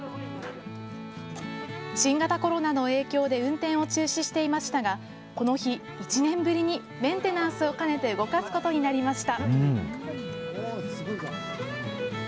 新型コロナの影響で運転を中止していましたが、この日、１年ぶりにメンテナンスを兼ねて動かすことになりました。